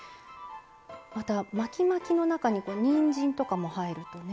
また巻き巻きの中ににんじんとかも入るとね。